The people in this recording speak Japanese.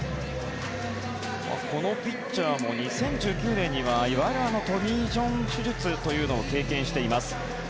このピッチャーも２０１９年にはいわゆるトミー・ジョン手術というのを経験しています。